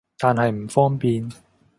但係唔方便